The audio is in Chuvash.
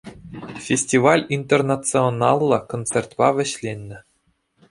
Фестиваль интернационаллӑ концертпа вӗҫленӗ.